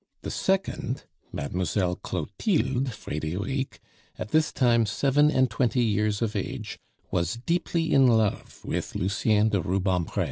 The second, Mademoiselle Clotilde Frederique, at this time seven and twenty years of age, was deeply in love with Lucien de Rubempre.